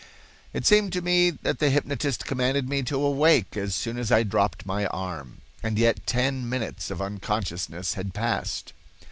"It seemed to me that the hypnotist commanded me to awake as soon as I dropped my arm," and yet ten minutes of unconsciousness had passed.